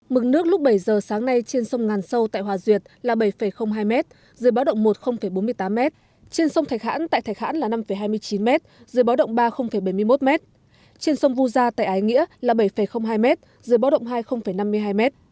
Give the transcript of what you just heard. mức nước lúc bảy giờ sáng nay trên sông ngàn sâu tại hòa duyệt là bảy hai m dưới báo động một bốn mươi tám m trên sông thạch hãn tại thạch hãn là năm hai mươi chín m dưới báo động ba bảy mươi một m trên sông vu gia tại ái nghĩa là bảy hai m dưới báo động hai năm mươi hai m